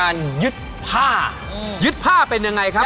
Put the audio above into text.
เกมนี้ที่เห็นอยู่นะครับมีชื่อว่าแรงบิดพิชิตใจนะครับ